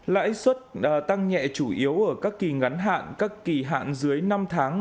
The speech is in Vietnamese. lãi suất tăng nhẹ chủ yếu ở các kỳ ngắn hạn các kỳ hạn dưới năm tháng